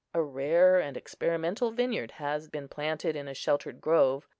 A rare and experimental vineyard has been planted in a sheltered grove.